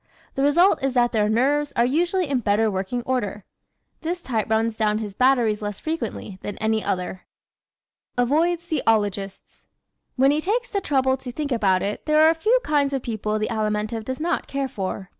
The result is that their nerves are usually in better working order. This type runs down his batteries less frequently than any other. Avoids the "Ologists" ¶ When he takes the trouble to think about it there are a few kinds of people the Alimentive does not care for.